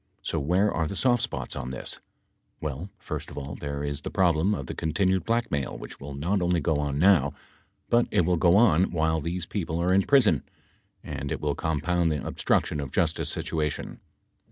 So where are the soft spots on this ? Well, first of all, there is the problem of the continued blackmail which will not only go on now, but it will go on while these people are in prison, and it will compound the obstruction of justice situation.